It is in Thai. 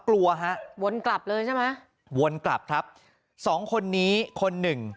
กลัวฮะวนกลับเลยใช่ไหมวนกลับครับสองคนนี้คนหนึ่ง